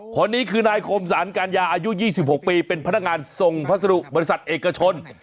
คนนี้คือนายคมสรรการยาอายุ๒๖ปีเป็นพนักงานส่งพัสดุบริษัทเอกชน